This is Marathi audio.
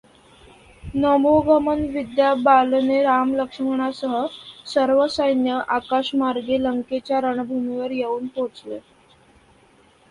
नभोगमन विद्या बलाने राम लक्ष्मणासह सर्व सैन्य आकाशमार्गे लंकेच्या रणभूमीवर येवून पोहोचले.